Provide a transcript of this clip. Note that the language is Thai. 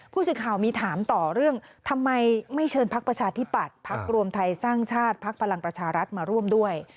ผู้สื่อข่าวมีถามต่อเรื่องทำไมไม่เชิญพักประชาธิปัตย์พักรวมไทยสร้างชาติพักพลังประชารัฐมาร่วมด้วย